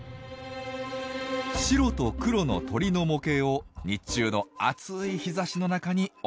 白と黒の鳥の模型を日中の暑い日ざしの中に置いておきます。